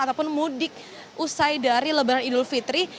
ataupun mudik usai dari lebaran idul fitri